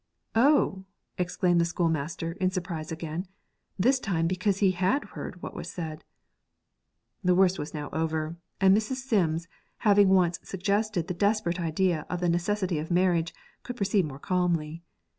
'Oh!' exclaimed the schoolmaster in surprise again, this time because he had heard what was said. The worst was over now; and Mrs. Sims, having once suggested the desperate idea of the necessity of marriage, could proceed more calmly.